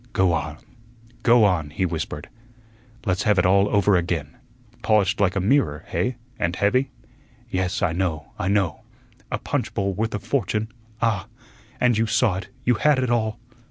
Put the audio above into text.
"Go on, go on," he whispered; "let's have it all over again. Polished like a mirror, hey, and heavy? Yes, I know, I know. A punch bowl worth a fortune. Ah! and you saw it, you had it all!"